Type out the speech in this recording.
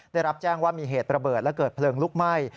ได้รับแจ้งว่ามีเหตุระเบิดและเกิดเพลิงลุกไหม้